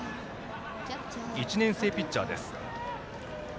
１年生ピッチャーです。